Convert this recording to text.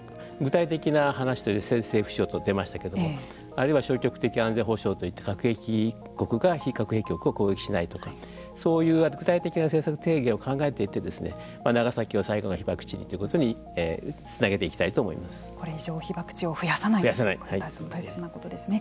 具体的な話で先制不使用と出ましたけどあるいは消極的安全保障といって核兵器国が非核兵器国を攻撃しないとかそういう具体的な政策提言を考えていって長崎を最後の被爆地ということにこれ以上、被爆地を増やさないということ大切なことですね。